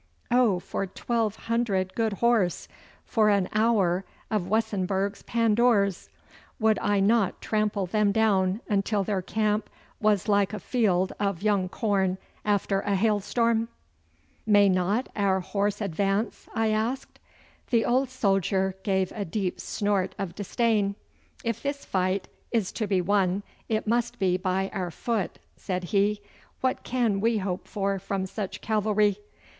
Oh for twelve hundred good horse for an hour of Wessenburg's Pandours! Would I not trample them down until their camp was like a field of young corn after a hail storm!' 'May not our horse advance?' I asked. The old soldier gave a deep snort of disdain. 'If this fight is to be won it must be by our foot,' said he; 'what can we hope for from such cavalry?